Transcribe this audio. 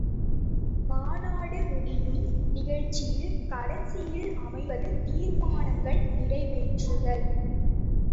மாநாடு முடியும் நிகழ்ச்சியில் கடைசியில் அமைவது தீர்மானங்கள் நிறைவேற்றுதல்.